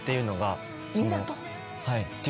はい。